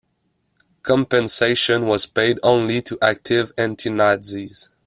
Compensation was paid only to active anti-Nazis.